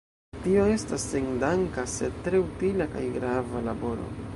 Tio estas sendanka, sed tre utila kaj grava laboro.